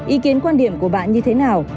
ý kiến quan điểm của bạn như thế nào